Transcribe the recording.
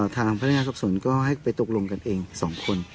ทางพนักงานสอบสวนก็ให้ไปตกลงกันเอง๒คน